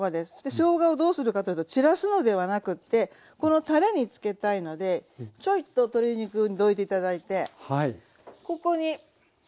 しょうがをどうするかというと散らすのではなくってこのたれにつけたいのでちょいと鶏肉をどいて頂いてここに。